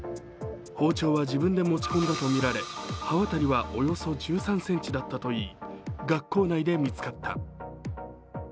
包丁は自分で持ち込んだとみられ刃渡りはおよそ１３ｃｍだったといい学校内で見つかった。